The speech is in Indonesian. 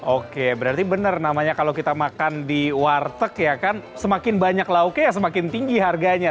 oke berarti benar namanya kalau kita makan di warteg ya kan semakin banyak lauknya ya semakin tinggi harganya